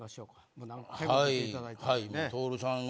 もう何回も出ていただいたんでね。